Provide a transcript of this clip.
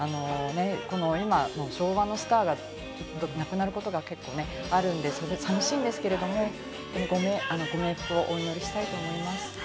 今、昭和のスターが亡くなることが結構あるんで、それが寂しいんですけれども、ご冥福をお祈りしたいと思います。